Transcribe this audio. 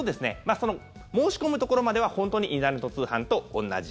申し込むところまでは本当にインターネット通販と同じ。